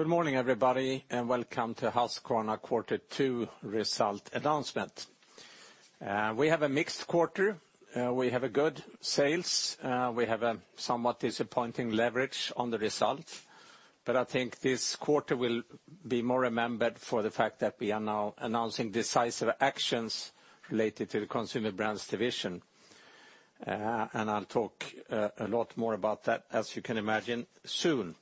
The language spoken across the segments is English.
Good morning, everybody, and welcome to Husqvarna Q2 result announcement. We have a mixed quarter. We have good sales. We have a somewhat disappointing leverage on the result, but I think this quarter will be more remembered for the fact that we are now announcing decisive actions related to the Consumer Brands Division. I'll talk a lot more about that, as you can imagine, soon.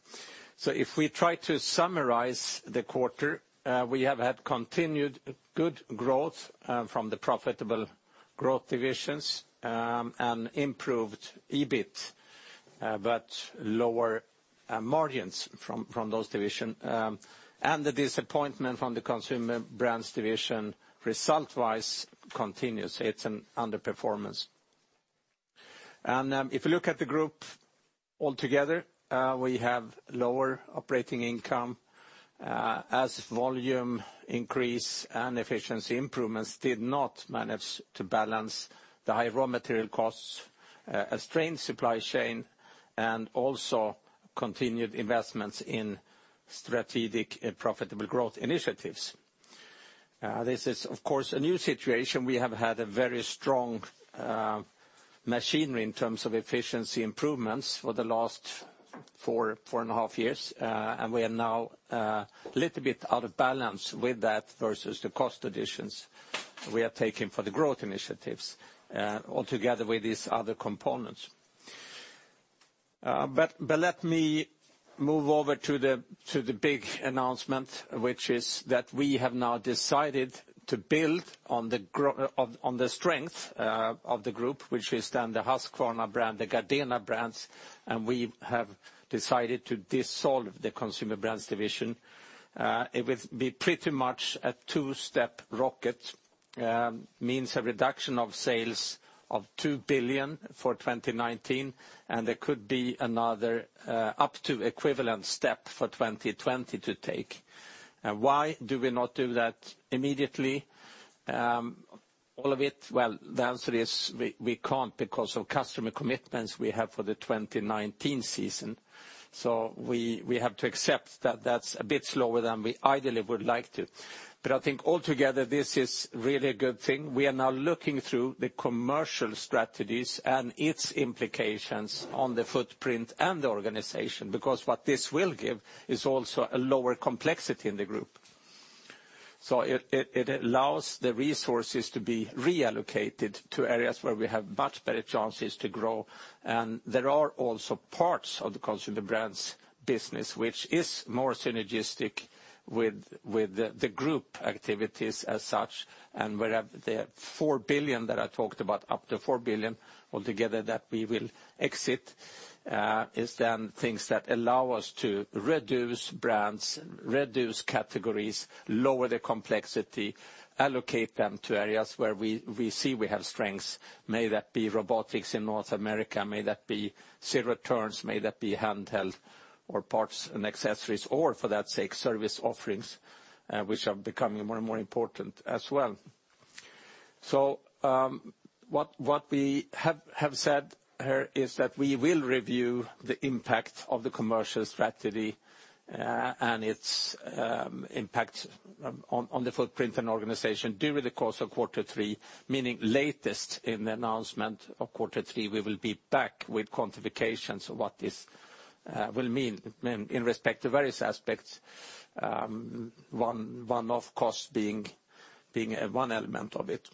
If we try to summarize the quarter, we have had continued good growth from the profitable growth divisions, and improved EBIT, but lower margins from those division. The disappointment from the Consumer Brands Division result-wise continues. It's an underperformance. If you look at the group all together, we have lower operating income as volume increase and efficiency improvements did not manage to balance the high raw material costs, a strained supply chain, and also continued investments in strategic profitable growth initiatives. This is, of course, a new situation. We have had a very strong machinery in terms of efficiency improvements for the last four and a half years, and we are now a little bit out of balance with that versus the cost additions we are taking for the growth initiatives, all together with these other components. Let me move over to the big announcement, which is that we have now decided to build on the strength of the group, which is then the Husqvarna brand, the Gardena brands, and we have decided to dissolve the Consumer Brands Division. It will be pretty much a two-step rocket. Means a reduction of sales of 2 billion for 2019, and there could be another up to equivalent step for 2020 to take. Why do we not do that immediately? All of it? The answer is we can't because of customer commitments we have for the 2019 season. We have to accept that that's a bit slower than we ideally would like to. I think altogether this is really a good thing. We are now looking through the commercial strategies and its implications on the footprint and the organization, because what this will give is also a lower complexity in the group. It allows the resources to be reallocated to areas where we have much better chances to grow, and there are also parts of the consumer brands business which is more synergistic with the group activities as such, and where the 4 billion that I talked about, up to 4 billion altogether that we will exit, is then things that allow us to reduce brands, reduce categories, lower the complexity, allocate them to areas where we see we have strengths. May that be robotics in North America, may that be zero-turns, may that be handheld or parts and accessories, or for that sake, service offerings, which are becoming more and more important as well. What we have said here is that we will review the impact of the commercial strategy and its impact on the footprint and organization during the course of quarter three, meaning latest in the announcement of quarter three, we will be back with quantifications of what this will mean in respect to various aspects. One-off cost being one element of it.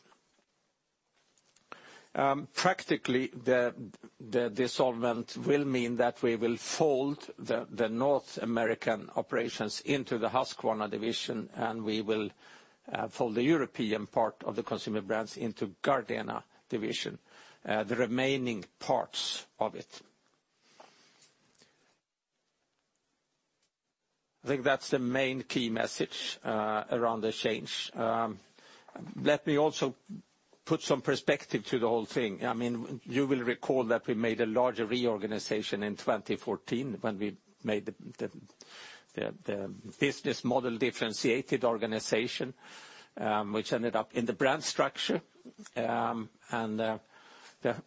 Practically, the dissolvement will mean that we will fold the North American operations into the Husqvarna Division, and we will fold the European part of the Consumer Brands into Gardena Division, the remaining parts of it. I think that's the main key message around the change. Let me also put some perspective to the whole thing. You will recall that we made a larger reorganization in 2014 when we made the business model differentiated organization, which ended up in the brand structure. The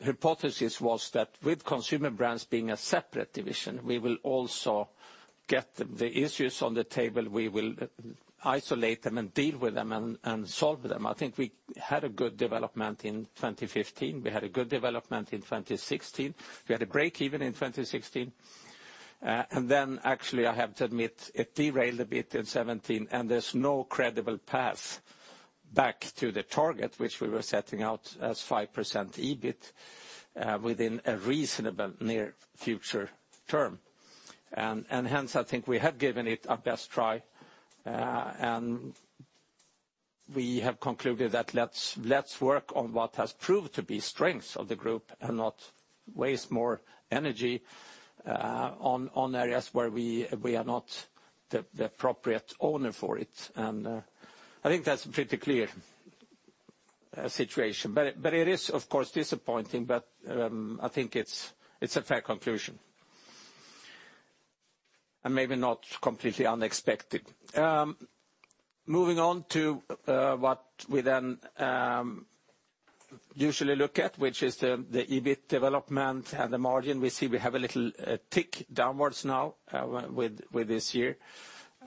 hypothesis was that with Consumer Brands being a separate division, we will also get the issues on the table. We will isolate them and deal with them and solve them. I think we had a good development in 2015. We had a good development in 2016. We had a break even in 2016. Then actually, I have to admit, it derailed a bit in 2017, and there's no credible path back to the target, which we were setting out as 5% EBIT within a reasonable near future term. Hence, I think we have given it our best try, and we have concluded that let's work on what has proved to be strengths of the group and not waste more energy on areas where we are not the appropriate owner for it. I think that's a pretty clear situation, but it is of course disappointing, but I think it's a fair conclusion. Maybe not completely unexpected. Moving on to what we then usually look at, which is the EBIT development and the margin. We see we have a little tick downwards now with this year.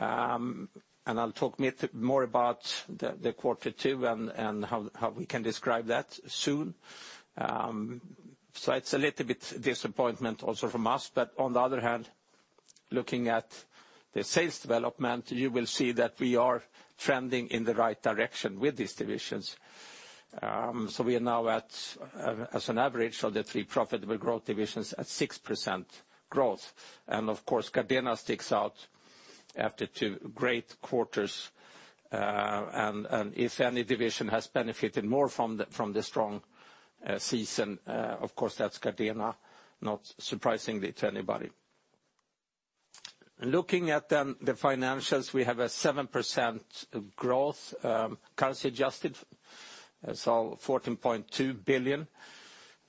I'll talk more about the quarter two and how we can describe that soon. It's a little bit disappointment also from us. But on the other hand, looking at the sales development, you will see that we are trending in the right direction with these divisions. We are now at, as an average of the three profitable growth divisions, at 6% growth. Of course, Gardena sticks out after two great quarters. If any division has benefited more from the strong season, of course, that's Gardena, not surprisingly to anybody. Looking at then the financials, we have a 7% growth, currency-adjusted, 14.2 billion,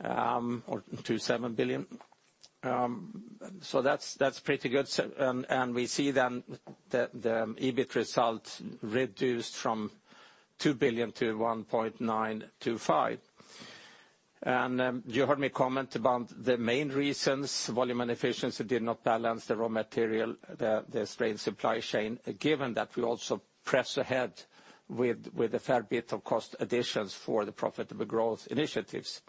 or 27 billion. That's pretty good. We see then the EBIT result reduced from 2 billion to 1.925. You heard me comment about the main reasons, volume and efficiency did not balance the raw material, the strained supply chain, given that we also press ahead with a fair bit of cost additions for the profitable growth initiatives.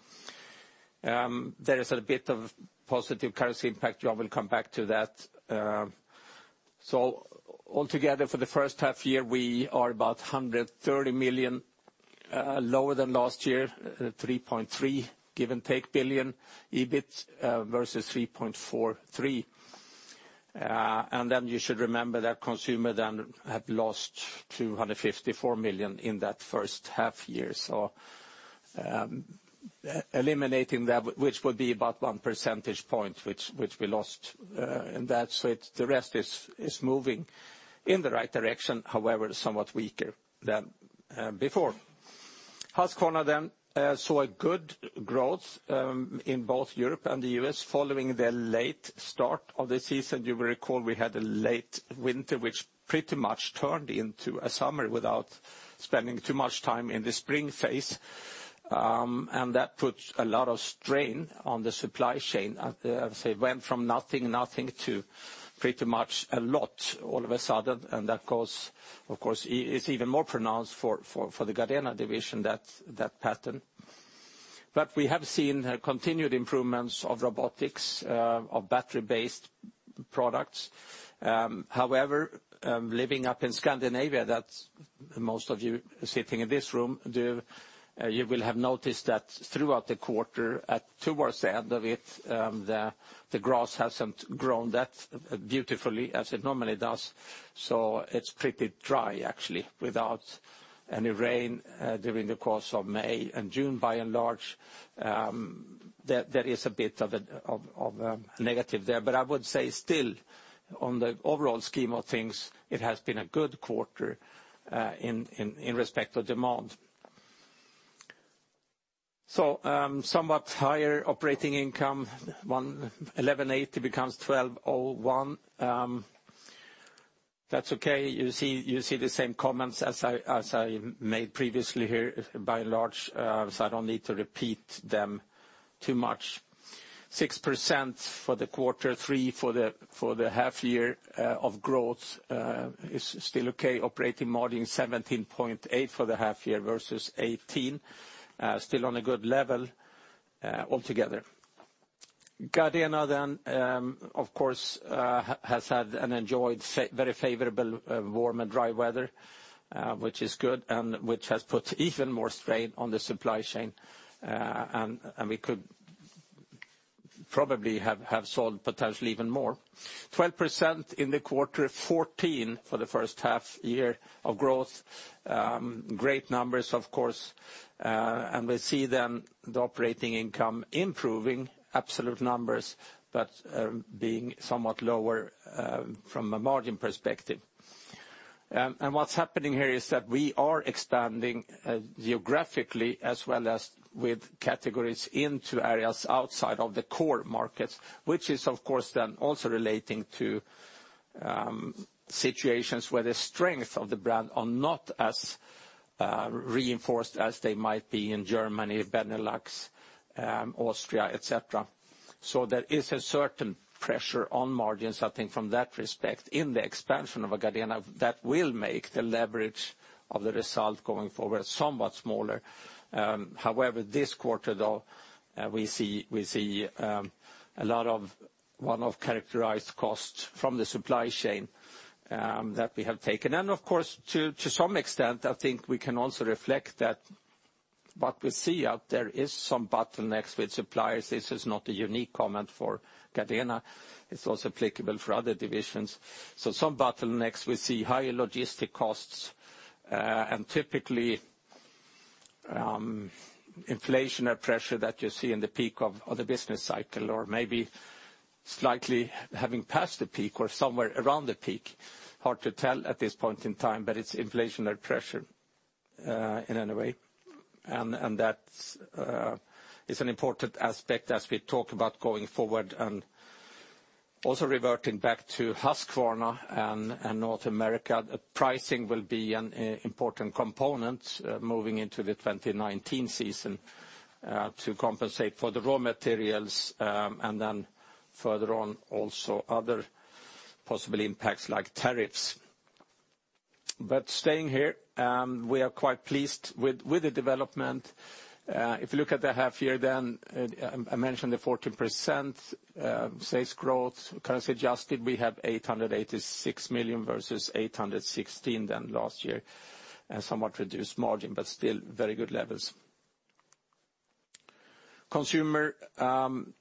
There is a bit of positive currency impact. I will come back to that. Altogether, for the first half year, we are about 130 million lower than last year, 3.3 give and take billion EBIT versus 3.43. Then you should remember that Consumer Brands then had lost 254 million in that first half year. Eliminating that, which would be about one percentage point, which we lost in that. The rest is moving in the right direction, however, somewhat weaker than before. Husqvarna saw good growth in both Europe and the U.S. following their late start of the season. You will recall we had a late winter, which pretty much turned into a summer without spending too much time in the spring phase. That put a lot of strain on the supply chain. Went from nothing to pretty much a lot all of a sudden, that, of course, is even more pronounced for the Gardena Division, that pattern. We have seen continued improvements of robotics, of battery-based products. However, living up in Scandinavia, that most of you sitting in this room do, you will have noticed that throughout the quarter, towards the end of it, the grass hasn't grown that beautifully as it normally does. It's pretty dry, actually, without any rain during the course of May and June, by and large. There is a bit of a negative there. Still, on the overall scheme of things, it has been a good quarter in respect to demand. Somewhat higher operating income, 11.80 becomes 12.01. That's okay. You see the same comments as I made previously here, by and large, so I don't need to repeat them too much. 6% for the quarter, 3% for the half year of growth is still okay. Operating margin 17.8% for the half year versus 18%. Still on a good level altogether. Gardena, of course, has had and enjoyed very favorable warm and dry weather, which is good, which has put even more strain on the supply chain, we could probably have sold potentially even more. 12% in the quarter, 14% for the first half year of growth. Great numbers, of course, we see the operating income improving absolute numbers, being somewhat lower from a margin perspective. What's happening here is that we are expanding geographically as well as with categories into areas outside of the core markets, which is of course also relating to situations where the strength of the brand are not as reinforced as they might be in Germany, Benelux, Austria, et cetera. There is a certain pressure on margins, I think, from that respect in the expansion of Gardena that will make the leverage of the result going forward somewhat smaller. However, this quarter though, we see a lot of one-off characterized costs from the supply chain that we have taken. Of course, to some extent, I think we can also reflect that what we see out there is some bottlenecks with suppliers. This is not a unique comment for Gardena. It's also applicable for other divisions. Some bottlenecks, we see higher logistic costs, typically inflation pressure that you see in the peak of the business cycle, or maybe slightly having passed the peak or somewhere around the peak. Hard to tell at this point in time, it's inflationary pressure in any way. That is an important aspect as we talk about going forward Also reverting back to Husqvarna and North America, pricing will be an important component moving into the 2019 season to compensate for the raw materials, further on, also other possible impacts like tariffs. Staying here, we are quite pleased with the development. If you look at the half year, I mentioned the 14% sales growth. Currency adjusted, we have 886 million versus 816 million last year, and somewhat reduced margin, but still very good levels. Consumer Brands Division,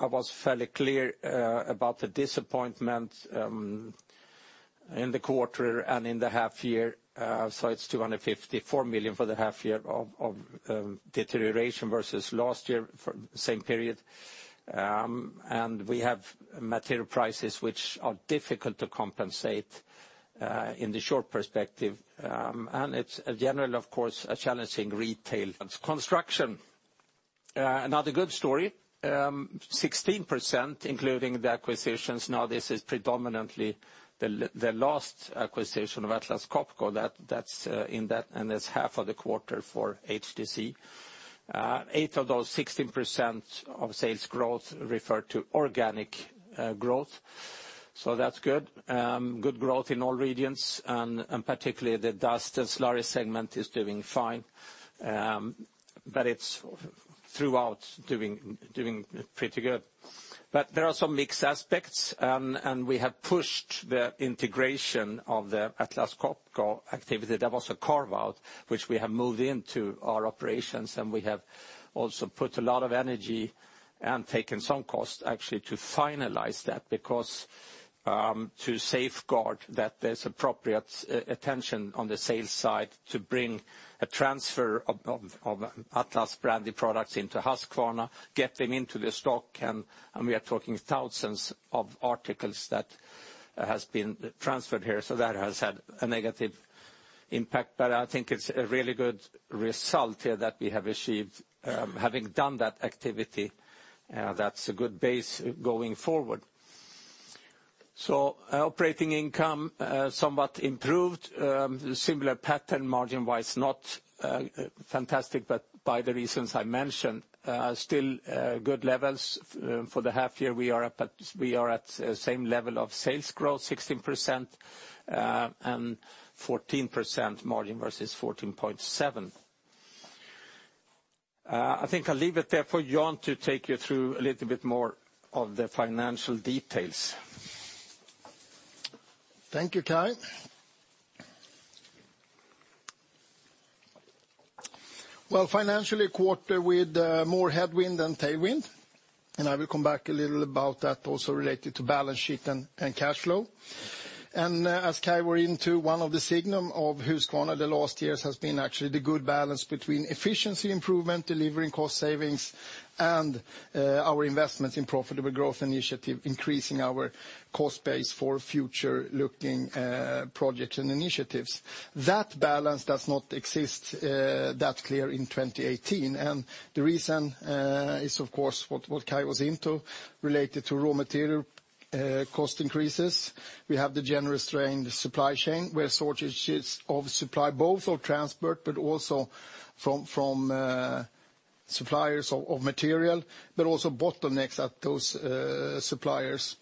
I was fairly clear about the disappointment in the quarter and in the half year. It is 254 million for the half year of deterioration versus last year for the same period. We have material prices which are difficult to compensate in the short perspective. It is generally, of course, a challenging retail. Construction Division, another good story, 16%, including the acquisitions. This is predominantly the last acquisition of Atlas Copco, and that is half of the quarter for HTC. 8 of those 16% of sales growth refer to organic growth, that is good. Good growth in all regions and particularly the dust and slurry segment is doing fine, but it is throughout doing pretty good. There are some mixed aspects, we have pushed the integration of the Atlas Copco activity. That was a carve-out, which we have moved into our operations, we have also put a lot of energy and taken some cost actually to finalize that, because to safeguard that there is appropriate attention on the sales side to bring a transfer of Atlas branded products into Husqvarna, get them into the stock, we are talking thousands of articles that has been transferred here. That has had a negative impact. I think it is a really good result here that we have achieved, having done that activity. That is a good base going forward. Operating income somewhat improved. Similar pattern margin-wise, not fantastic, by the reasons I mentioned, still good levels. For the half year, we are at same level of sales growth, 16%, 14% margin versus 14.7%. I think I will leave it there for Jan to take you through a little bit more of the financial details. Thank you, Kai. Financially, a quarter with more headwind than tailwind, I will come back a little about that also related to balance sheet and cash flow. As Kai was into, one of the signals of Husqvarna the last years has been actually the good balance between efficiency improvement, delivering cost savings, and our investments in profitable growth initiative, increasing our cost base for future looking projects and initiatives. That balance does not exist that clear in 2018, the reason is, of course, what Kai was into, related to raw material cost increases. We have the general strained supply chain, where shortages of supply, both of transport, also from suppliers of material, also bottlenecks at those suppliers,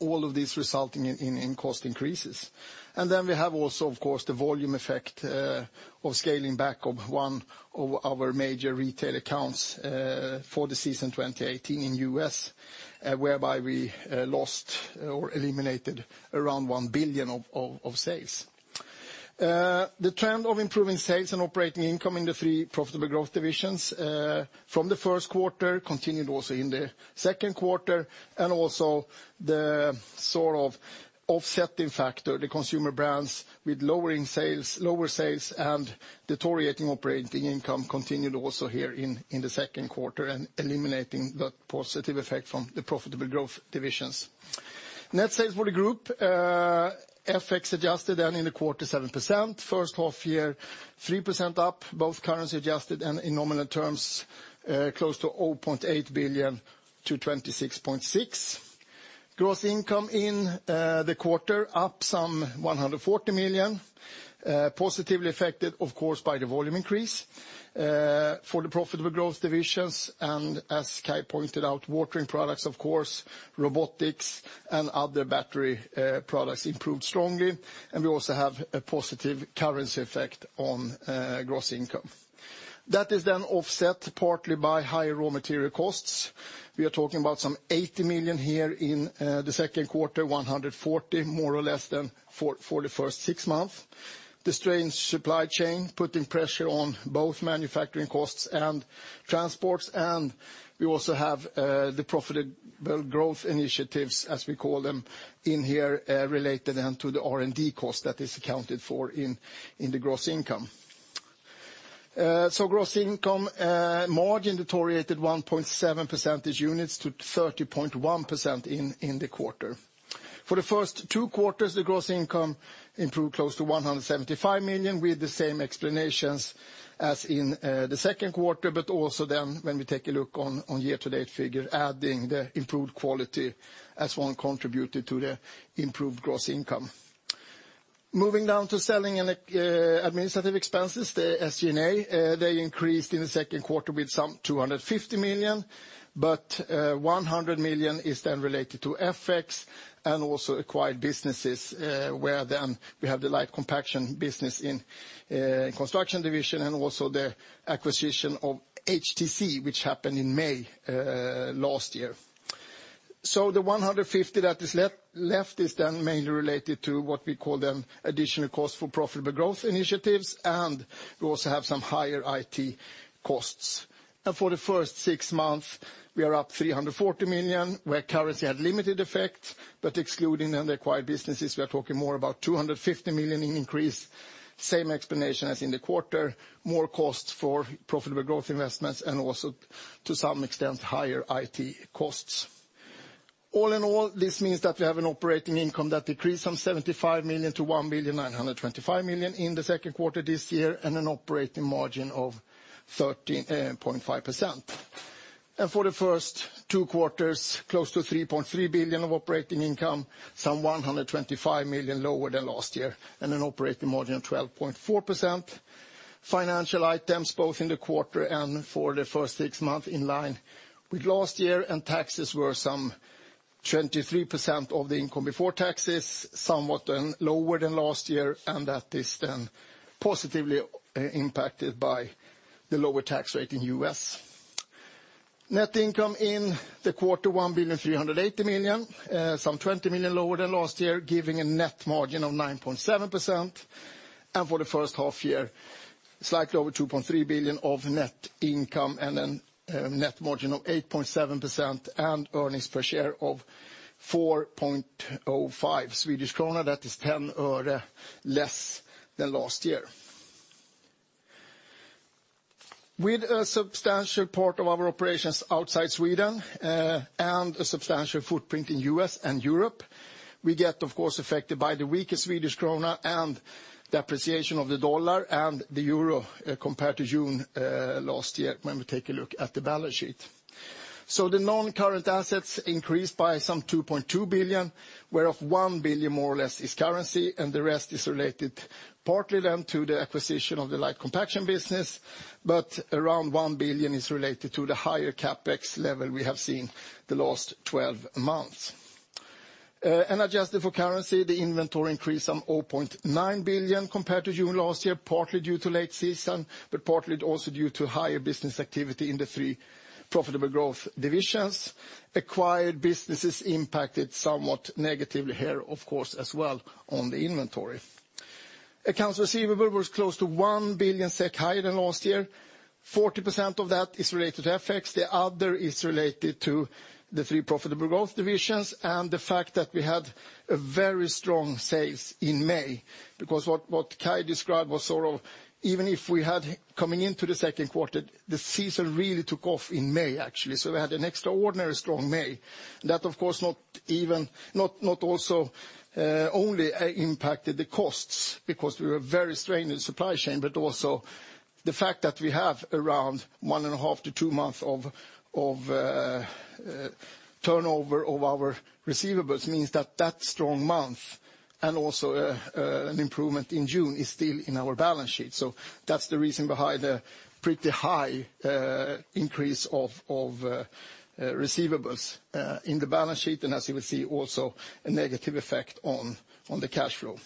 all of these resulting in cost increases. We have also, of course, the volume effect of scaling back of one of our major retail accounts for the season 2018 in U.S., whereby we lost or eliminated around 1 billion of sales. The trend of improving sales and operating income in the three profitable growth divisions from the first quarter continued also in the second quarter, the sort of offsetting factor, the Consumer Brands Division with lower sales and deteriorating operating income continued also here in the second quarter and eliminating that positive effect from the profitable growth divisions. Net sales for the group, FX-adjusted and in the quarter, 7%. First half year, 3% up, both currency adjusted and in nominal terms, close to 0.8 billion to 26.6 billion. Gross income in the quarter up some 140 million, positively affected, of course, by the volume increase for the profitable growth divisions, as Kai pointed out, watering products, of course, robotics, and other battery products improved strongly, we also have a positive currency effect on gross income. That is then offset partly by higher raw material costs. We are talking about some 80 million here in the second quarter, 140, more or less, than for the first six months. The strained supply chain putting pressure on both manufacturing costs and transports, we also have the profitable growth initiatives, as we call them, in here related to the R&D cost that is accounted for in the gross income. Gross income margin deteriorated 1.7 percentage units to 30.1% in the quarter. For the first two quarters, the gross income improved close to 175 million, with the same explanations as in the second quarter, also when we take a look on year-to-date figure, adding the improved quality as one contributor to the improved gross income. Moving down to selling and administrative expenses, the SG&A, they increased in the second quarter with some 250 million, 100 million is then related to FX and also acquired businesses, where then we have the light compaction business in Construction Division and also the acquisition of HTC, which happened in May last year. The 150 that is left is then mainly related to what we call then additional cost for profitable growth initiatives, we also have some higher IT costs. For the first six months, we are up 340 million, where currency had limited effect, excluding the acquired businesses, we are talking more about 250 million in increase. Same explanation as in the quarter, more cost for profitable growth investments, also to some extent, higher IT costs. All in all, this means that we have an operating income that decreased by 75 million to 1,925 million in the second quarter this year, an operating margin of 13.5%. For the first two quarters, close to 3.3 billion of operating income, some 125 million lower than last year, an operating margin of 12.4%. Financial items, both in the quarter and for the first six months, in line with last year. Taxes were some 23% of the income before taxes, somewhat lower than last year, and that is positively impacted by the lower tax rate in the U.S. Net income in the quarter, 1.38 billion, some 20 million lower than last year, giving a net margin of 9.7%. For the first half year, slightly over 2.3 billion of net income and a net margin of 8.7% and earnings per share of 4.05 Swedish krona. That is SEK 0.10 less than last year. With a substantial part of our operations outside Sweden, and a substantial footprint in the U.S. and Europe, we get, of course, affected by the weaker Swedish krona and the appreciation of the dollar and the euro compared to June last year when we take a look at the balance sheet. The non-current assets increased by some 2.2 billion, whereof 1 billion, more or less, is currency, and the rest is related partly then to the acquisition of the light compaction business, but around 1 billion is related to the higher CapEx level we have seen the last 12 months. Adjusted for currency, the inventory increased some 0.9 billion compared to June last year, partly due to late season, but partly also due to higher business activity in the three profitable growth divisions. Acquired businesses impacted somewhat negatively here, of course, as well on the inventory. Accounts receivable was close to 1 billion SEK higher than last year. 40% of that is related to FX. The other is related to the three profitable growth divisions and the fact that we had a very strong sales in May, because what Kai described was sort of even if we had coming into the second quarter, the season really took off in May, actually. We had an extraordinary strong May. That, of course, not only impacted the costs because we were very strained in supply chain, but also the fact that we have around one and a half to two months of turnover of our receivables means that that strong month, and also an improvement in June, is still in our balance sheet. That's the reason behind the pretty high increase of receivables in the balance sheet, and as you will see, also a negative effect on the cash flow.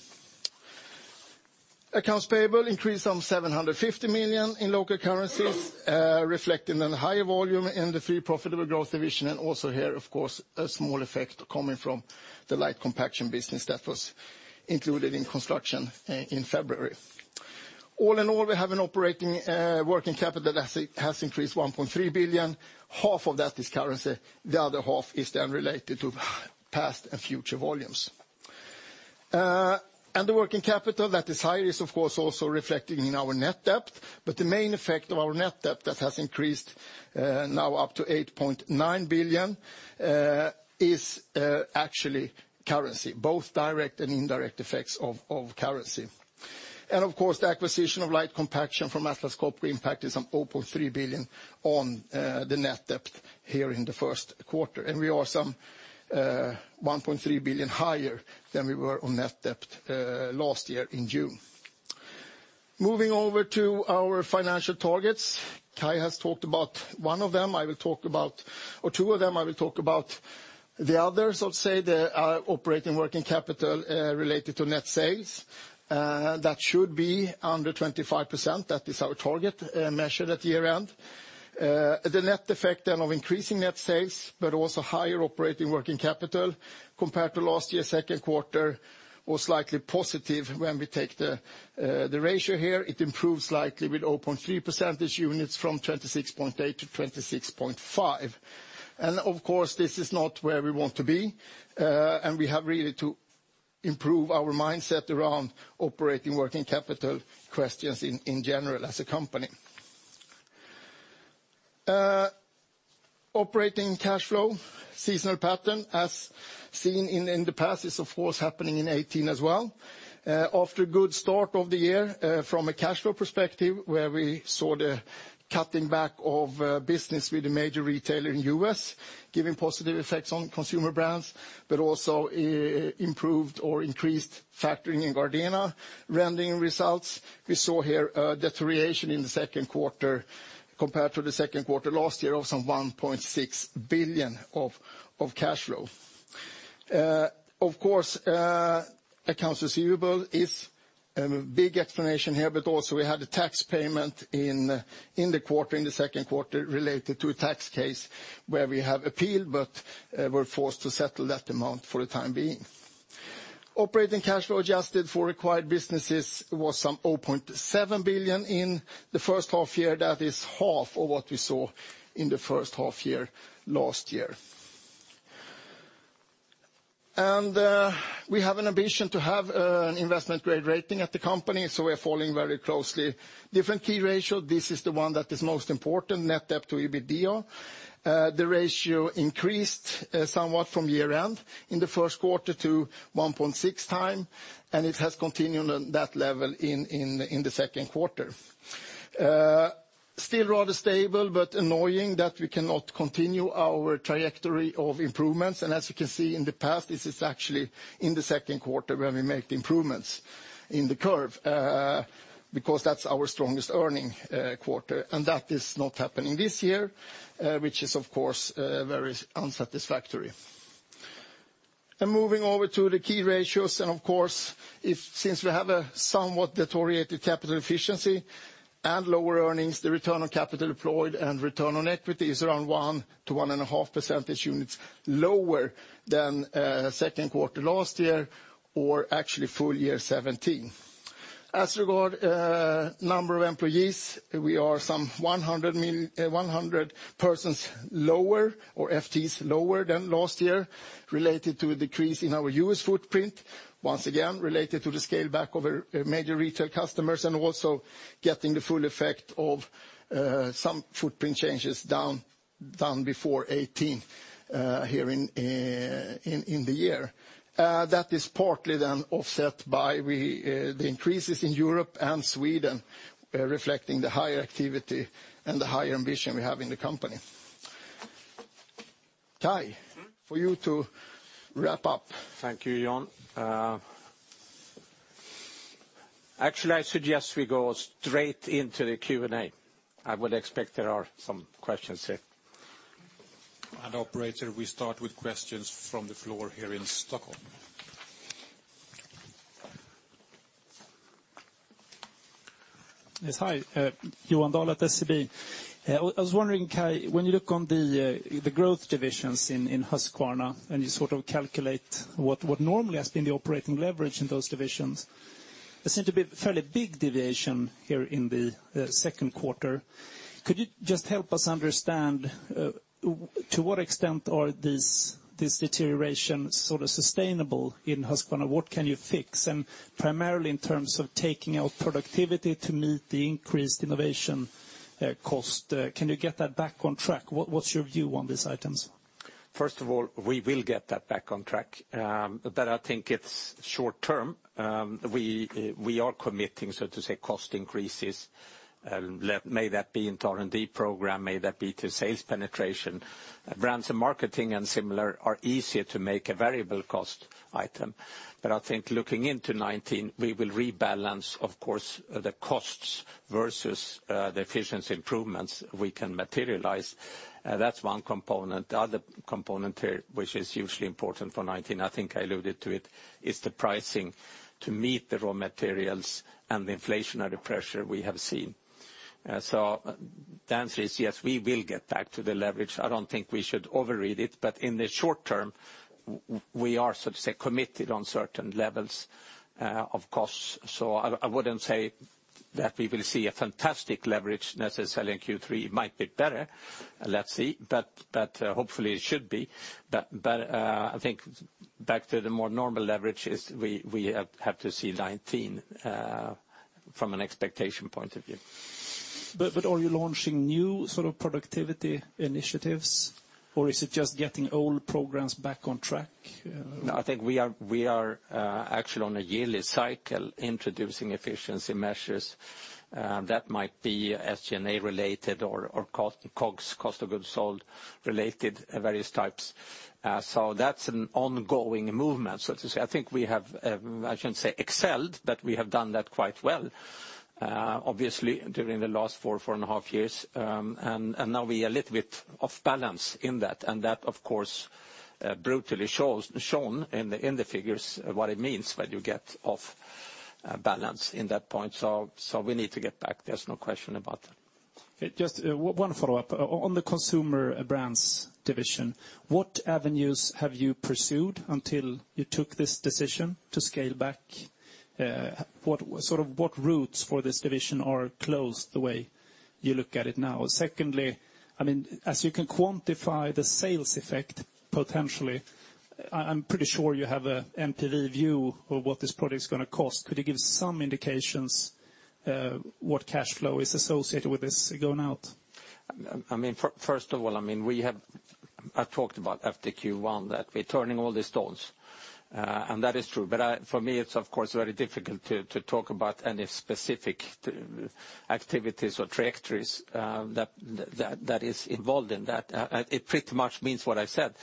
Accounts payable increased some 750 million in local currencies, reflecting the higher volume in the three profitable growth divisions, and also here, of course, a small effect coming from the light compaction business that was included in Construction in February. All in all, we have an operating working capital that has increased 1.3 billion. Half of that is currency. The other half is related to past and future volumes. The working capital that is higher is, of course, also reflecting in our net debt, but the main effect of our net debt that has increased now up to 8.9 billion is actually currency, both direct and indirect effects of currency. Of course, the acquisition of light compaction from Atlas Copco impacted some 0.3 billion on the net debt here in the first quarter. We are some 1.3 billion higher than we were on net debt last year in June. Moving over to our financial targets. Kai has talked about one of them. I will talk about two of them. The others are operating working capital related to net sales. That should be under 25%. That is our target measured at year-end. The net effect then of increasing net sales, but also higher operating working capital compared to last year, Q2, was slightly positive when we take the ratio here. It improves slightly with 0.3 percentage units from 26.8% to 26.5%. Of course, this is not where we want to be. We have really to improve our mindset around operating working capital questions in general as a company. Operating cash flow, seasonal pattern as seen in the past is of course happening in 2018 as well. After a good start of the year from a cash flow perspective, where we saw the cutting back of business with a major retailer in the U.S. giving positive effects on Consumer Brands, but also improved or increased factoring in Gardena rendering results. We saw here a deterioration in Q2 compared to Q2 last year of some 1.6 billion of cash flow. Accounts receivable is a big explanation here, but also we had a tax payment in Q2 related to a tax case where we have appealed but were forced to settle that amount for the time being. Operating cash flow adjusted for acquired businesses was some 0.7 billion in the first half year. That is half of what we saw in the first half year last year. We have an ambition to have an investment-grade rating at the company, so we are following very closely different key ratios. This is the one that is most important, net debt to EBITDA. The ratio increased somewhat from year-end in Q1 to 1.6x, and it has continued on that level in Q2. Still rather stable, but annoying that we cannot continue our trajectory of improvements. As you can see in the past, this is actually in Q2 where we make the improvements in the curve because that's our strongest earning quarter. That is not happening this year, which is very unsatisfactory. Moving over to the key ratios, since we have a somewhat deteriorated capital efficiency and lower earnings, the return on capital employed and return on equity is around one to 1.5 percentage units lower than Q2 last year, or actually full year 2017. As regard number of employees, we are some 100 persons lower, or FTEs lower than last year related to a decrease in our U.S. footprint. Once again, related to the scale back of our major retail customers and also getting the full effect of some footprint changes done before 2018 here in the year. That is partly then offset by the increases in Europe and Sweden, reflecting the higher activity and the higher ambition we have in the company. Kai, for you to wrap up. Thank you, Jan. Actually, I suggest we go straight into the Q&A. I would expect there are some questions here. Operator, we start with questions from the floor here in Stockholm. Yes. Hi. Johan Dahl at SEB. I was wondering, Kai, when you look on the growth divisions in Husqvarna and you calculate what normally has been the operating leverage in those divisions, there seem to be a fairly big deviation here in the second quarter. Could you just help us understand to what extent are these deterioration sustainable in Husqvarna? What can you fix? Primarily in terms of taking out productivity to meet the increased innovation cost, can you get that back on track? What's your view on these items? First of all, we will get that back on track. I think it's short-term. We are committing, so to say, cost increases, may that be in R&D program, may that be to sales penetration. Brands and marketing and similar are easier to make a variable cost item. I think looking into 2019, we will rebalance, of course, the costs versus the efficiency improvements we can materialize. That's one component. The other component here, which is hugely important for 2019, I think I alluded to it, is the pricing to meet the raw materials and the inflationary pressure we have seen. The answer is yes, we will get back to the leverage. I don't think we should overread it, but in the short term, we are, so to say, committed on certain levels of costs. I wouldn't say that we will see a fantastic leverage necessarily in Q3. It might be better. Let's see. Hopefully it should be. I think back to the more normal leverage is we have to see 2019 from an expectation point of view. Are you launching new productivity initiatives or is it just getting old programs back on track? No, I think we are actually on a yearly cycle introducing efficiency measures that might be SG&A related or COGS, cost of goods sold related, various types. That's an ongoing movement, so to say. I think we have, I shouldn't say excelled, but we have done that quite well, obviously, during the last four and a half years. Now we are a little bit off balance in that, and that, of course, brutally shown in the figures what it means when you get off balance in that point. We need to get back. There's no question about that. Just one follow-up. On the Consumer Brands Division, what avenues have you pursued until you took this decision to scale back? What routes for this division are closed the way you look at it now? Secondly, as you can quantify the sales effect potentially, I'm pretty sure you have a NPV view of what this product is going to cost. Could you give some indications what cash flow is associated with this going out? First of all, I've talked about after Q1 that we're turning all the stones, that is true. For me, it's of course very difficult to talk about any specific activities or trajectories that is involved in that. It pretty much means what I said.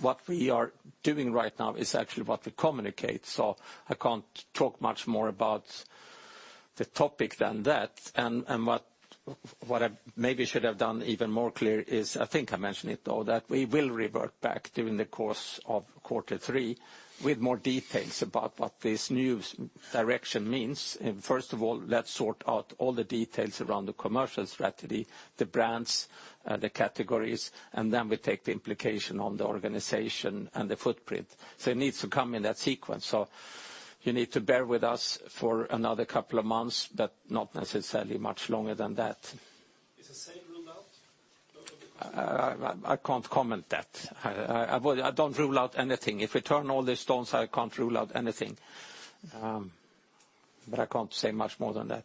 What we are doing right now is actually what we communicate, so I can't talk much more about the topic than that. What I maybe should have done even more clear is, I think I mentioned it though, that we will revert back during the course of quarter three with more details about what this new direction means. First of all, let's sort out all the details around the commercial strategy, the brands, the categories, then we take the implication on the organization and the footprint. It needs to come in that sequence. You need to bear with us for another couple of months, but not necessarily much longer than that. Is the sale ruled out? I can't comment that. I don't rule out anything. If we turn all the stones, I can't rule out anything. I can't say much more than that.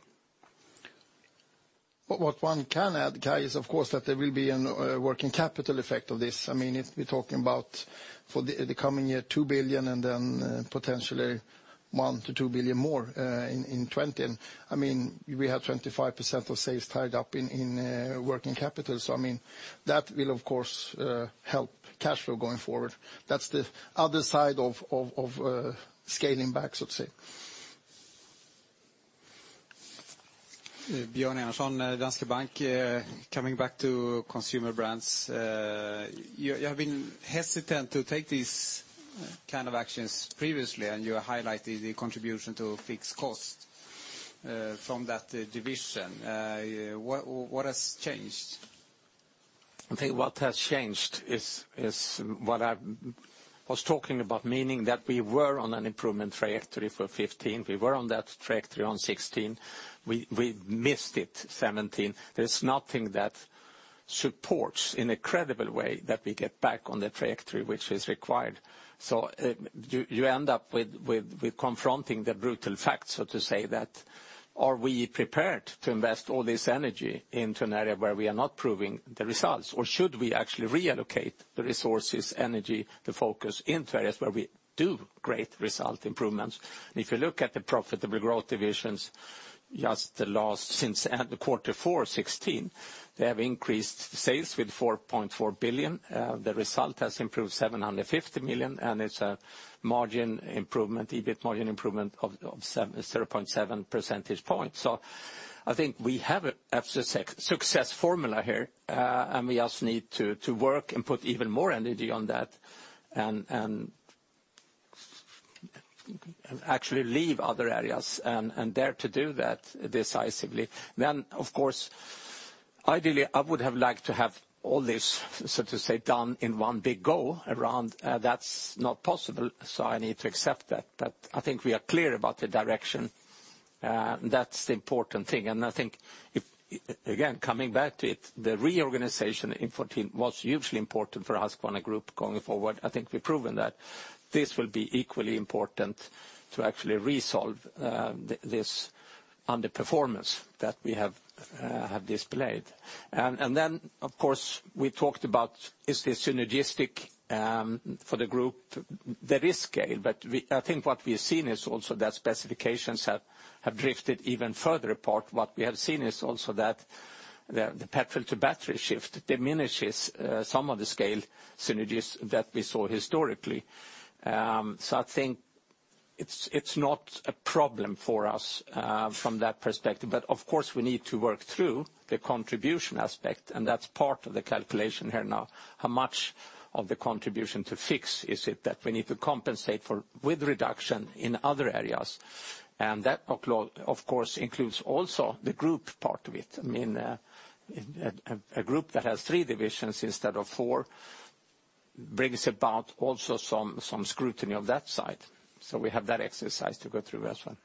What one can add, Kai, is of course that there will be a working capital effect of this. If we're talking about for the coming year, 2 billion and then potentially 1 billion-2 billion more in 2020. We have 25% of sales tied up in working capital. That will, of course, help cash flow going forward. That's the other side of scaling back, so to say. Björn Johansson, Danske Bank. Coming back to Consumer Brands. You have been hesitant to take these kind of actions previously, and you are highlighting the contribution to fixed cost from that division. What has changed? I think what has changed is what I was talking about, meaning that we were on an improvement trajectory for 2015. We were on that trajectory on 2016. We missed it 2017. There's nothing that supports in a credible way that we get back on the trajectory which is required. You end up with confronting the brutal facts, so to say, that are we prepared to invest all this energy into an area where we are not proving the results? Should we actually reallocate the resources, energy, the focus into areas where we do great result improvements? If you look at the profitable growth divisions, just since the Q4 2016, they have increased sales with 4.4 billion. The result has improved 750 million, and it's a margin improvement, EBIT margin improvement of 0.7 percentage points. I think we have a success formula here, and we just need to work and put even more energy on that, and actually leave other areas and dare to do that decisively. Of course, ideally, I would have liked to have all this, so to say, done in one big go around. That's not possible, I need to accept that. I think we are clear about the direction. That's the important thing. I think, again, coming back to it, the reorganization in 2014 was hugely important for Husqvarna Group going forward. I think we've proven that this will be equally important to actually resolve this underperformance that we have displayed. Then, of course, we talked about is this synergistic for the group? There is scale, but I think what we've seen is also that specifications have drifted even further apart. What we have seen is also that the petrol-to-battery shift diminishes some of the scale synergies that we saw historically. I think it's not a problem for us from that perspective. Of course, we need to work through the contribution aspect, and that's part of the calculation here now. How much of the contribution to fix is it that we need to compensate for with reduction in other areas? That, of course, includes also the group part of it. A group that has three divisions instead of four brings about also some scrutiny on that side. We have that exercise to go through as well.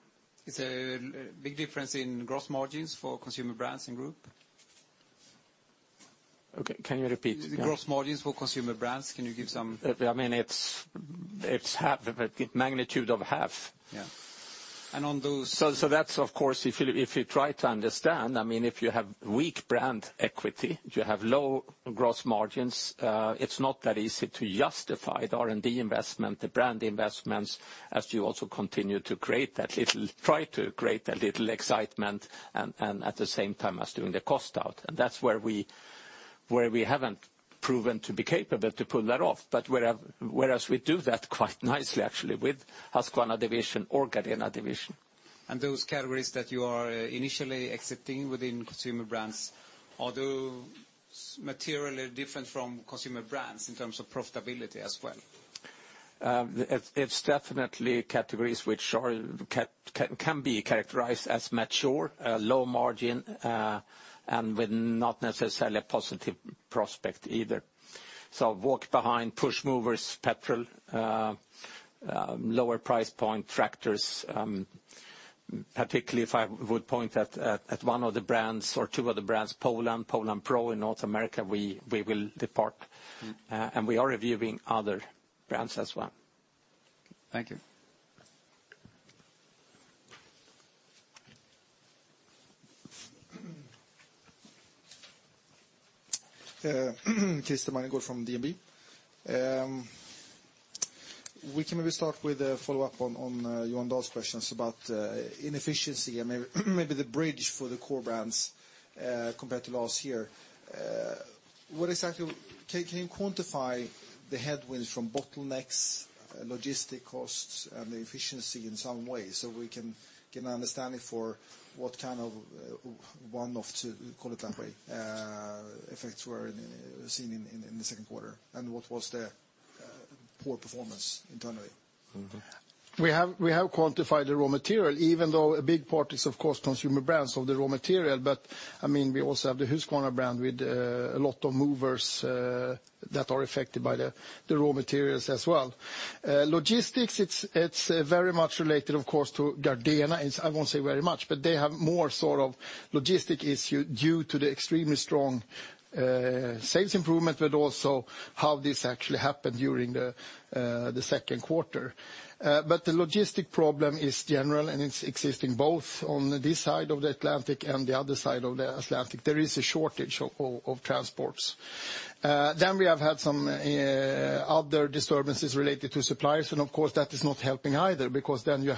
Is there a big difference in gross margins for Consumer Brands in group? Okay, can you repeat? The gross margins for Consumer Brands, can you give some. It's magnitude of half. Yeah. On those That's of course, if you try to understand, if you have weak brand equity, if you have low gross margins, it's not that easy to justify the R&D investment, the brand investments, as you also continue to try to create a little excitement and at the same time as doing the cost out. That's where we haven't proven to be capable to pull that off. Whereas we do that quite nicely, actually, with Husqvarna Division or Gardena Division. Those categories that you are initially exiting within consumer brands, are those materially different from consumer brands in terms of profitability as well? It's definitely categories which can be characterized as mature, low margin, and with not necessarily a positive prospect either. Walk behind push movers, petrol, lower price point tractors. Particularly if I would point at one of the brands or two of the brands, Poulan Pro in North America, we will depart. We are reviewing other brands as well. Thank you. Christer Salenius from DNB. We can maybe start with a follow-up on Johan Dahl's questions about inefficiency and maybe the bridge for the core brands compared to last year. Can you quantify the headwinds from bottlenecks, logistic costs, and the inefficiency in some way, so we can get an understanding for what kind of one-off to call it that way, effects were seen in the second quarter, and what was the poor performance internally? We have quantified the raw material, even though a big part is, of course, consumer brands of the raw material. We also have the Husqvarna brand with a lot of movers that are affected by the raw materials as well. Logistics, it's very much related, of course, to Gardena. I won't say very much, but they have more logistic issue due to the extremely strong sales improvement, but also how this actually happened during the second quarter. The logistic problem is general, and it's existing both on this side of the Atlantic and the other side of the Atlantic. There is a shortage of transports. We have had some other disturbances related to suppliers, and of course, that is not helping either, because then you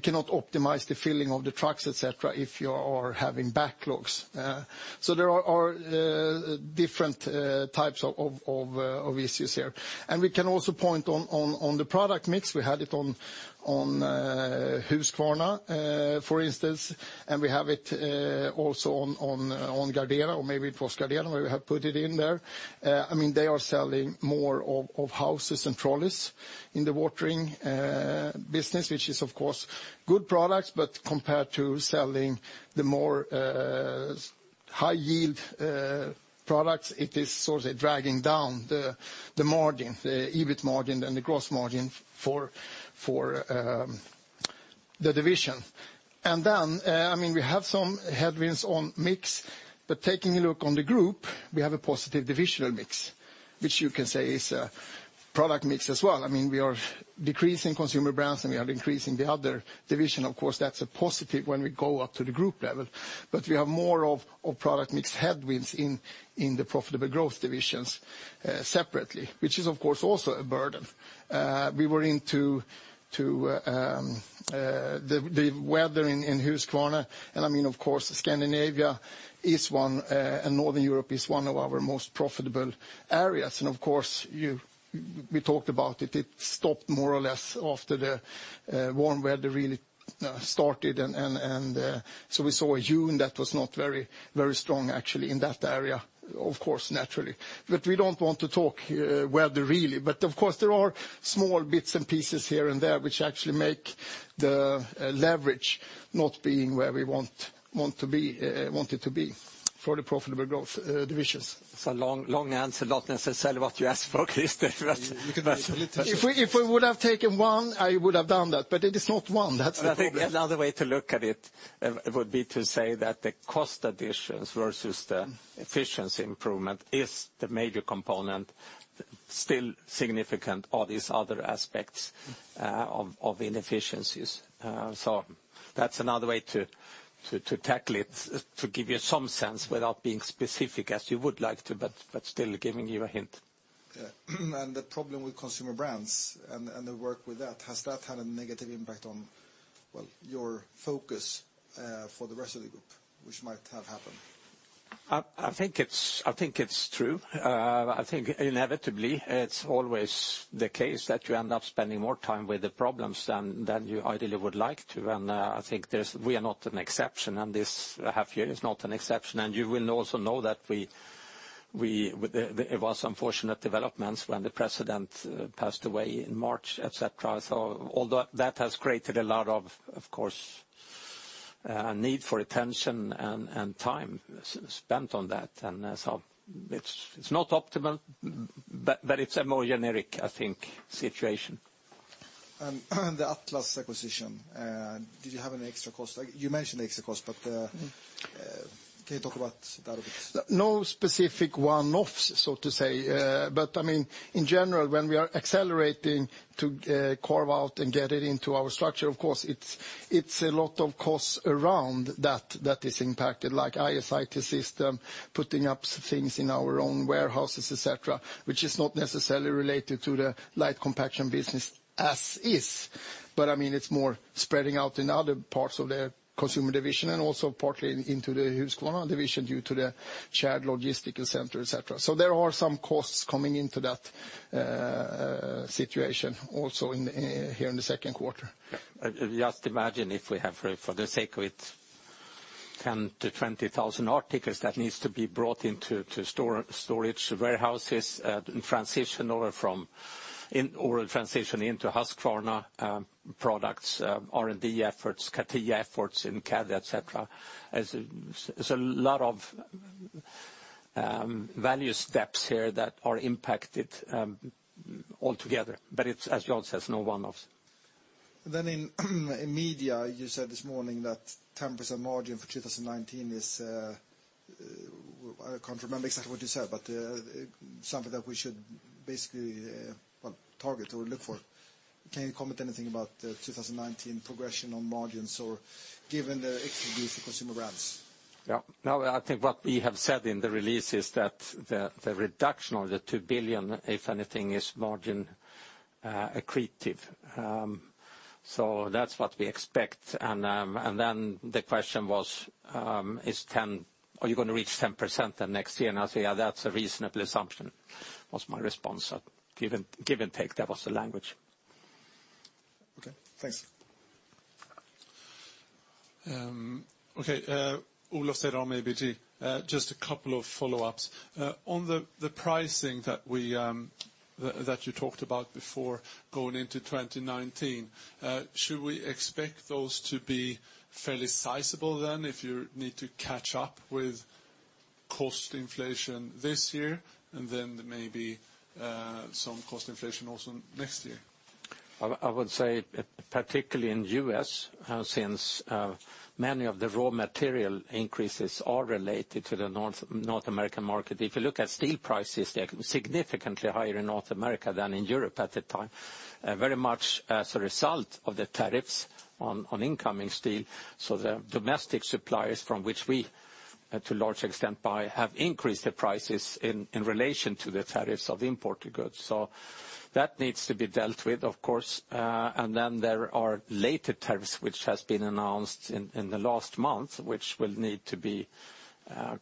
cannot optimize the filling of the trucks, et cetera, if you are having backlogs. There are different types of issues here. We can also point on the product mix. We had it on Husqvarna, for instance, and we have it also on Gardena, or maybe it was Gardena, we have put it in there. They are selling more of hoses and trolleys in the watering business, which is, of course, good products, but compared to selling the more high-yield products, it is sort of dragging down the margin, the EBIT margin and the gross margin for the division. We have some headwinds on mix, but taking a look on the group, we have a positive divisional mix, which you can say is a product mix as well. We are decreasing Consumer Brands, and we are increasing the other division. That's a positive when we go up to the group level. We have more of product mix headwinds in the profitable growth divisions separately, which is, of course, also a burden. We were into the weather in Husqvarna, and of course, Scandinavia and Northern Europe is one of our most profitable areas. We talked about it. It stopped more or less after the warm weather really started, we saw a June that was not very strong actually in that area, of course, naturally. We don't want to talk weather really. There are small bits and pieces here and there, which actually make the leverage not being where we want it to be for the profitable growth divisions. It's a long answer, not necessarily what you asked for. Okay. If we would have taken one, I would have done that, but it is not one. That's the thing. I think another way to look at it would be to say that the cost additions versus the efficiency improvement is the major component, still significant are these other aspects of inefficiencies. That's another way to tackle it, to give you some sense without being specific as you would like to, but still giving you a hint. The problem with Consumer Brands and the work with that, has that had a negative impact on your focus for the rest of the group, which might have happened? I think it's true. I think inevitably it's always the case that you end up spending more time with the problems than you ideally would like to, and I think we are not an exception, and this half year is not an exception. You will also know that there was unfortunate developments when the president passed away in March, et cetera. All that has created a lot of course, need for attention and time spent on that. It's not optimal, but it's a more generic, I think, situation. The Atlas acquisition, did you have any extra cost? You mentioned the extra cost, but can you talk about that a bit? No specific one-offs, so to say. In general, when we are accelerating to carve out and get it into our structure, of course, it's a lot of costs around that that is impacted, like IS/IT system, putting up things in our own warehouses, et cetera, which is not necessarily related to the light compaction business as is. It's more spreading out in other parts of the Consumer Division and also partly into the Husqvarna Division due to the shared logistical center, et cetera. There are some costs coming into that situation also here in the second quarter. Just imagine if we have, for the sake of it, 10,000-20,000 articles that needs to be brought into storage warehouses and transitioned into Husqvarna products, R&D efforts, CATIA efforts in CAD, et cetera. There's a lot of value steps here that are impacted altogether. It's, as Jan says, no one-offs. In media, you said this morning that 10% margin for 2019 is. I can't remember exactly what you said, something that we should basically target or look for. Can you comment anything about the 2019 progression on margins or given the execution Consumer Brands? Yeah. No, I think what we have said in the release is that the reduction of the 2 billion, if anything, is margin accretive. That's what we expect. The question was, are you going to reach 10% the next year? I'll say that's a reasonable assumption, was my response. Give and take, that was the language. Okay, thanks. Okay. Olof, I'm ABG. Just a couple of follow-ups. On the pricing that you talked about before going into 2019, should we expect those to be fairly sizable then, if you need to catch up with cost inflation this year, and then maybe some cost inflation also next year? I would say particularly in the U.S., since many of the raw material increases are related to the North American market. If you look at steel prices, they are significantly higher in North America than in Europe at the time. Very much as a result of the tariffs on incoming steel. The domestic suppliers from which we, to a large extent buy, have increased the prices in relation to the tariffs of imported goods. That needs to be dealt with, of course. There are later tariffs, which has been announced in the last month, which will need to be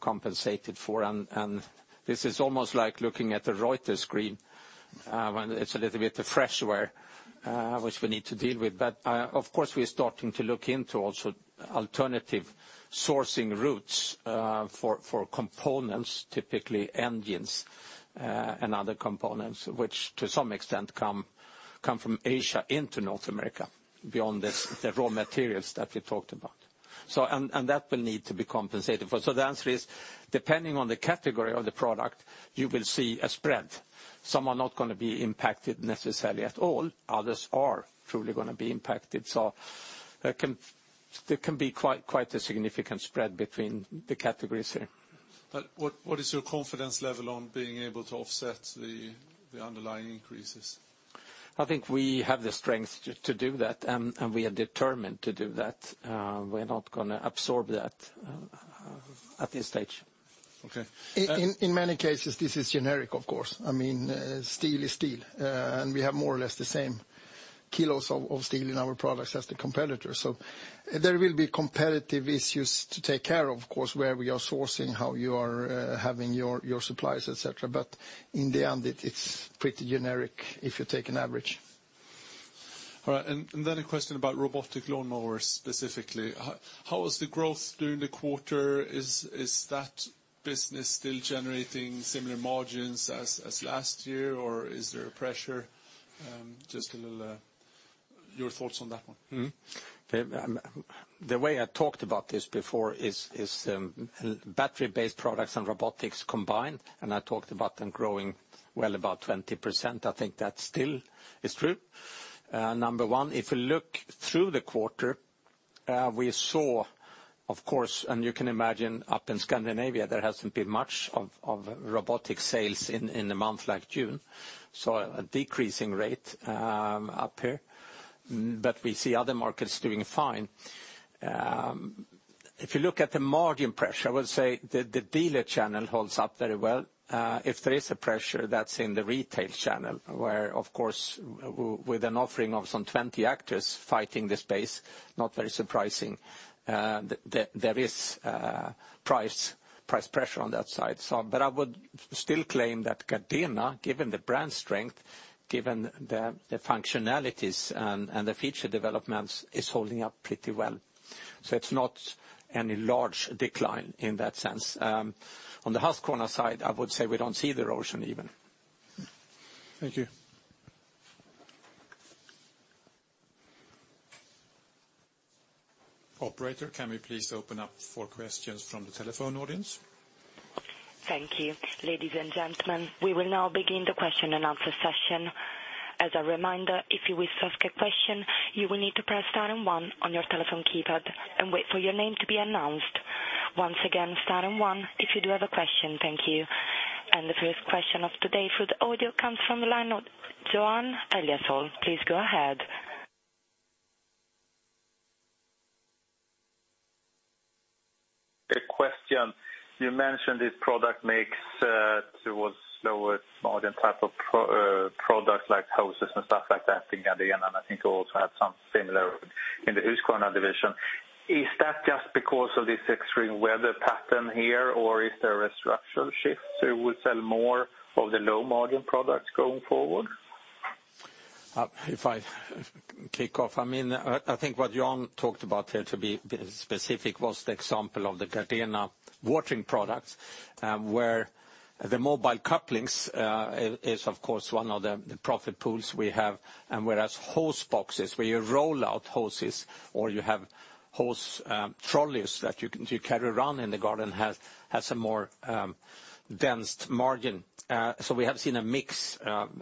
compensated for. This is almost like looking at the Reuters screen when it's a little bit of fresh air, which we need to deal with. Of course, we're starting to look into also alternative sourcing routes for components, typically engines and other components, which to some extent come from Asia into North America, beyond the raw materials that we talked about. That will need to be compensated for. The answer is, depending on the category of the product, you will see a spread. Some are not going to be impacted necessarily at all. Others are truly going to be impacted. There can be quite a significant spread between the categories here. What is your confidence level on being able to offset the underlying increases? I think we have the strength to do that, and we are determined to do that. We're not going to absorb that at this stage. Okay. In many cases, this is generic, of course. Steel is steel, and we have more or less the same kilos of steel in our products as the competitor. There will be competitive issues to take care of course, where we are sourcing, how you are having your suppliers, et cetera. In the end, it's pretty generic if you take an average. All right. Then a question about robotic lawnmowers specifically. How was the growth during the quarter? Is that business still generating similar margins as last year, or is there a pressure? Just your thoughts on that one. The way I talked about this before is battery-based products and robotics combined, I talked about them growing well about 20%. I think that still is true. Number one, if you look through the quarter, we saw, of course, you can imagine up in Scandinavia, there hasn't been much of robotics sales in a month like June. A decreasing rate up here. We see other markets doing fine. If you look at the margin pressure, I would say the dealer channel holds up very well. If there is a pressure that's in the retail channel, where, of course, with an offering of some 20 actors fighting the space, not very surprising. There is price pressure on that side. I would still claim that Gardena, given the brand strength, given the functionalities and the future developments, is holding up pretty well. It's not any large decline in that sense. On the Husqvarna side, I would say we don't see the erosion even. Thank you. Operator, can we please open up for questions from the telephone audience? Thank you. Ladies and gentlemen, we will now begin the question and answer session. As a reminder, if you wish to ask a question, you will need to press star and one on your telephone keypad and wait for your name to be announced. Once again, star and one if you do have a question. Thank you. The first question of today through the audio comes from the line of Johan Eliason. Please go ahead. A question. You mentioned this product mix towards lower margin type of products like hoses and stuff like that in Gardena. I think you also had some similar in the Husqvarna Division. Is that just because of this extreme weather pattern here, or is there a structural shift? We sell more of the low-margin products going forward? If I kick off, I think what Johan talked about here, to be specific, was the example of the Gardena watering products, where the mobile couplings is, of course, one of the profit pools we have. Whereas hose boxes where you roll out hoses, or you have hose trolleys that you carry around in the garden have some more dense margin. We have seen a mix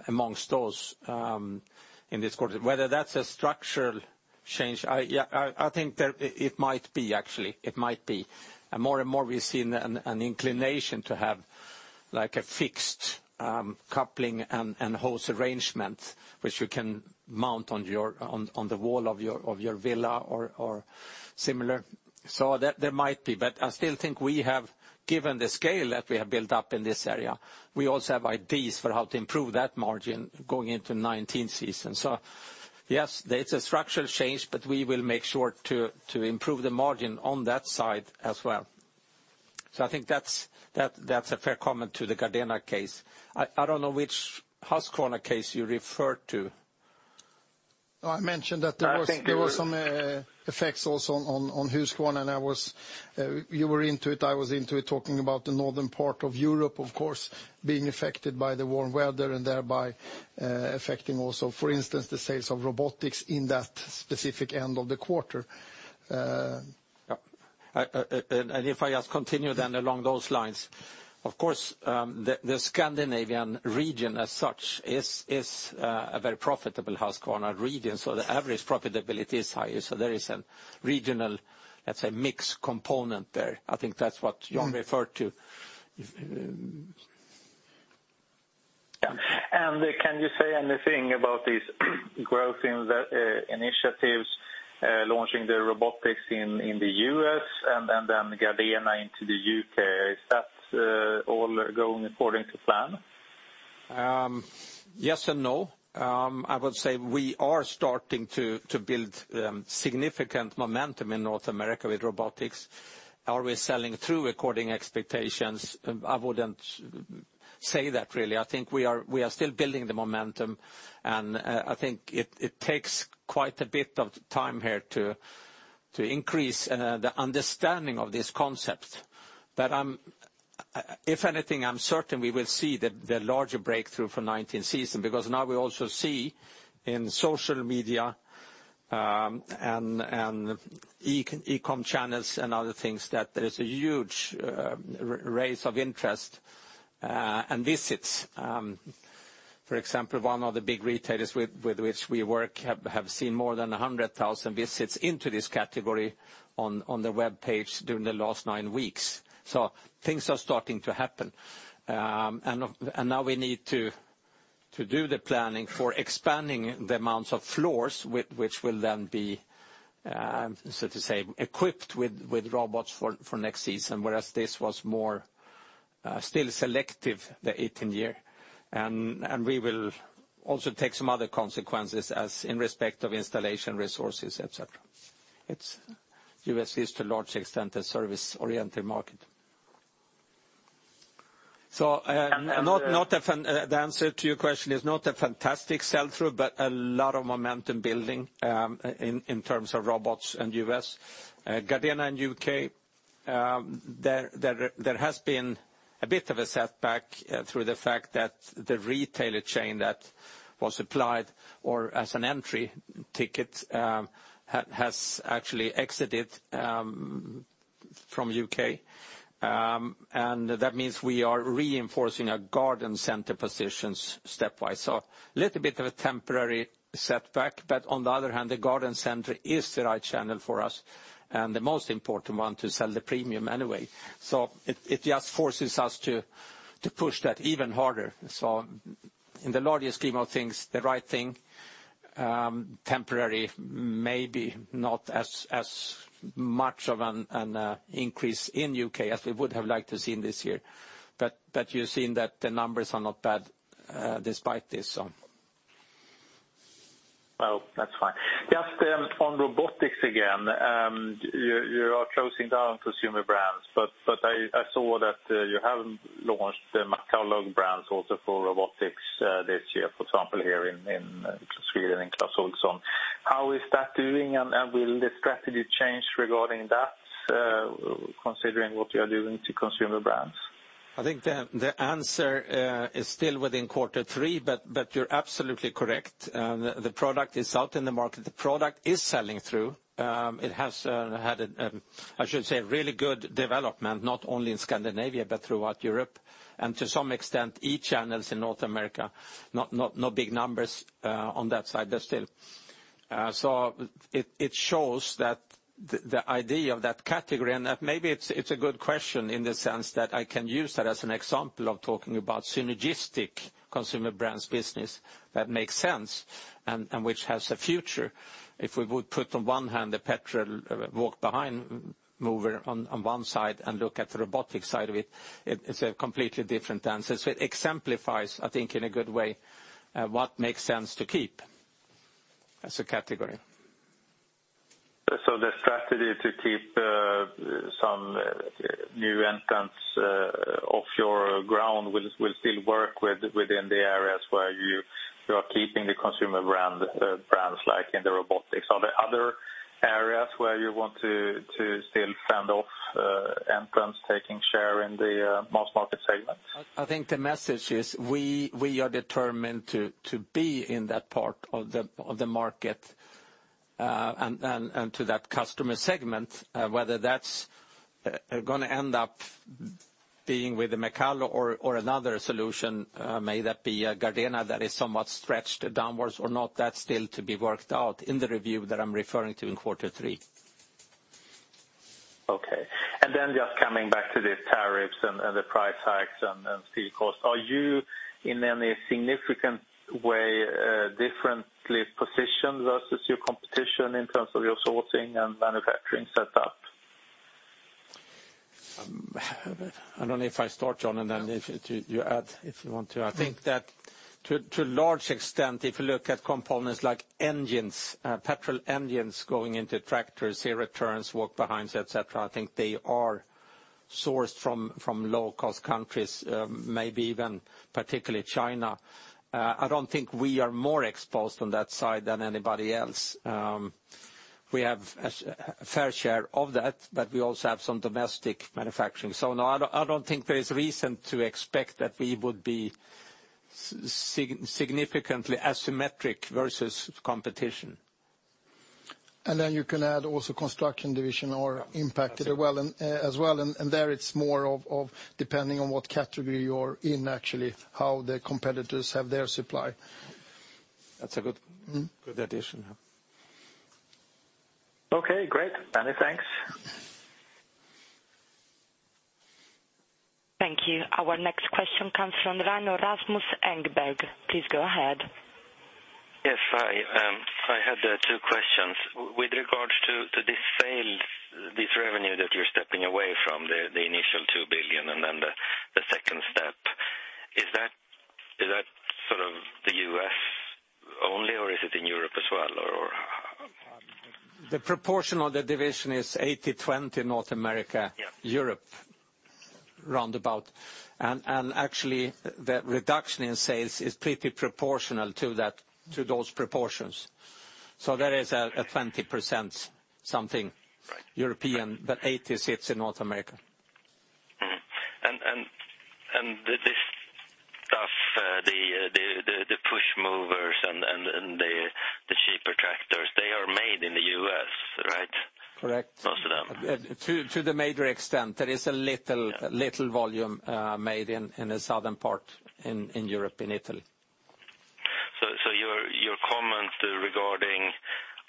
amongst those in this quarter. Whether that's a structural change. I think it might be, actually. More and more, we've seen an inclination to have a fixed coupling and hose arrangement, which you can mount on the wall of your villa or similar. There might be. I still think, given the scale that we have built up in this area, we also have ideas for how to improve that margin going into the 2019 season. Yes, there is a structural change, but we will make sure to improve the margin on that side as well. I think that's a fair comment to the Gardena case. I don't know which Husqvarna case you referred to. I mentioned that there was. I think you. There were some effects also on Husqvarna. You were into it, I was into it, talking about the northern part of Europe, of course, being affected by the warm weather. Thereby affecting also, for instance, the sales of robotics in that specific end of the quarter. Yep. If I just continue then along those lines, of course, the Scandinavian region as such is a very profitable Husqvarna region. The average profitability is higher. There is a regional, let's say, mix component there. I think that's what you refer to. Yeah. Can you say anything about these growth initiatives, launching the robotics in the U.S., and then Gardena into the U.K.? Is that all going according to plan? Yes and no. I would say we are starting to build significant momentum in North America with robotics. Are we selling through according to expectations? I wouldn't say that, really. I think we are still building the momentum, and I think it takes quite a bit of time here to increase the understanding of this concept. If anything, I'm certain we will see the larger breakthrough for 2019 season, because now we also see in social media and e-com channels and other things that there is a huge raise of interest and visits. For example, one of the big retailers with which we work have seen more than 100,000 visits into this category on the webpage during the last nine weeks. Things are starting to happen. Now we need to do the planning for expanding the amounts of floors, which will then be, so to say, equipped with robots for next season, whereas this was more still selective the 2018 year. We will also take some other consequences in respect of installation resources, et cetera. U.S. is, to a large extent, a service-oriented market. The answer to your question, it's not a fantastic sell-through, but a lot of momentum building in terms of robots in the U.S. Gardena in U.K., there has been a bit of a setback through the fact that the retailer chain that was applied or as an entry ticket has actually exited from U.K., that means we are reinforcing our garden center positions stepwise. A little bit of a temporary setback, on the other hand, the garden center is the right channel for us and the most important one to sell the premium anyway. It just forces us to push that even harder. In the larger scheme of things, the right thing, temporary, maybe not as much of an increase in the U.K. as we would have liked to have seen this year. You have seen that the numbers are not bad despite this. Well, that's fine. Just on robotics again, you are closing down consumer brands, but I saw that you have launched the McCulloch brands also for robotics this year, for example, here in Clas Ohlson. How is that doing? Will the strategy change regarding that, considering what you are doing to consumer brands? I think the answer is still within quarter three, you're absolutely correct. The product is out in the market. The product is selling through. It has had, I should say, really good development, not only in Scandinavia but throughout Europe, and to some extent, e-channels in North America. No big numbers on that side just still. It shows that the idea of that category, and maybe it's a good question in the sense that I can use that as an example of talking about synergistic consumer brands business that makes sense and which has a future. If we would put on one hand the petrol walk-behind mover on one side and look at the robotics side of it's a completely different answer. It exemplifies, I think, in a good way, what makes sense to keep as a category. The strategy to keep some new entrants off your ground will still work within the areas where you are keeping the consumer brands like in the robotics. Are there other areas where you want to still fend off entrants taking share in the mass market segment? I think the message is we are determined to be in that part of the market and to that customer segment, whether that's going to end up being with the McCulloch or another solution, may that be a Gardena that is somewhat stretched downwards or not, that's still to be worked out in the review that I'm referring to in quarter three. Okay. Just coming back to the tariffs and the price hikes and steel costs. Are you, in any significant way, differently positioned versus your competition in terms of your sourcing and manufacturing setup? I don't know if I start, Jan, then if you add, if you want to. I think that to a large extent, if you look at components like engines, petrol engines going into tractors, zero-turns, walk-behinds, et cetera, I think they are sourced from low-cost countries, maybe even particularly China. I don't think we are more exposed on that side than anybody else. We have a fair share of that, but we also have some domestic manufacturing. No, I don't think there is reason to expect that we would be significantly asymmetric versus competition. You can add also Construction Division are impacted as well. There it's more of depending on what category you are in, actually, how the competitors have their supply. That's a good addition. Okay, great. Many thanks. Thank you. Our next question comes from the line, Rasmus Engberg. Please go ahead. Yes. Hi. I had two questions. With regards to the sales, this revenue that you're stepping away from, the initial 2 billion and then the second step. Is that sort of the U.S. only, or is it in Europe as well? Or The proportion of the division is 80/20 North America, Europe, roundabout. Actually, the reduction in sales is pretty proportional to those proportions. There is a 20% something European, 80 sits in North America. Mm-hmm. This stuff, the push movers and the cheaper tractors, they are made in the U.S., right? Correct. Most of them. To the major extent. There is a little volume made in the southern part in Europe, in Italy. Your comment regarding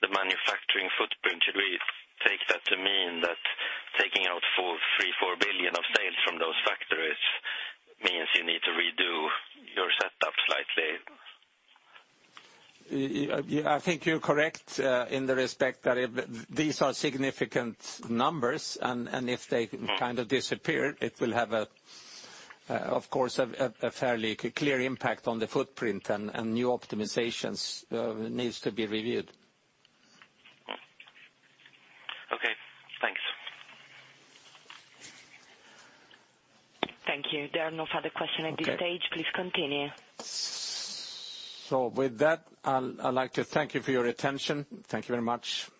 the manufacturing footprint, should we take that to mean that taking out SEK 3 billion, SEK 4 billion of sales from those factories means you need to redo your setup slightly? I think you're correct, in the respect that these are significant numbers, and if they kind of disappear, it will have, of course, a fairly clear impact on the footprint and new optimizations needs to be reviewed. Okay, thanks. Thank you. There are no further questions at this stage. Please continue. With that, I'd like to thank you for your attention. Thank you very much. Bye